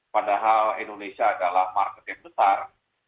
padahal indonesia adalah market yang besar